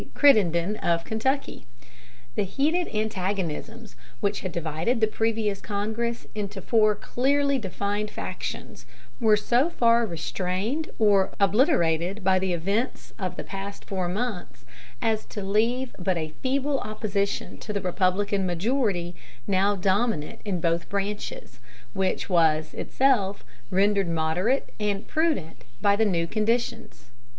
Crittenden of Kentucky. The heated antagonisms which had divided the previous Congress into four clearly defined factions were so far restrained or obliterated by the events of the past four months, as to leave but a feeble opposition to the Republican majority now dominant in both branches, which was itself rendered moderate and prudent by the new conditions.